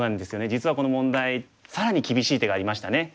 実はこの問題更に厳しい手がありましたね。